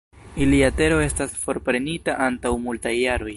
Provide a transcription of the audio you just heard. Ilia tero estas forprenita antaŭ multaj jaroj.